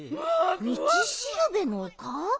みちしるべのおか？